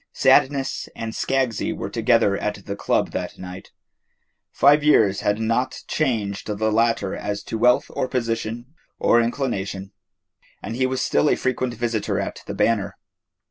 Sadness and Skaggsy were together at the club that night. Five years had not changed the latter as to wealth or position or inclination, and he was still a frequent visitor at the Banner.